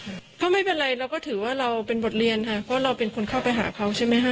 เพราะไม่เป็นไรเราก็ถือว่าเราเป็นบทเรียนค่ะเพราะเราเป็นคนเข้าไปหาเขาใช่ไหมคะ